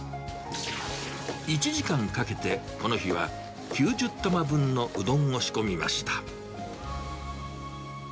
１時間かけてこの日は９０玉分のうどんを仕込みました。